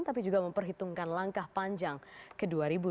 tapi juga memperhitungkan langkah panjang ke dua ribu dua puluh